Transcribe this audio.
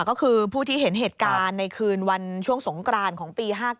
ก็คือผู้ที่เห็นเหตุการณ์ในคืนวันช่วงสงกรานของปี๕๙